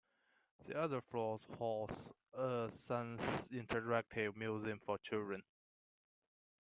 The other floors house a science interactive museum for children.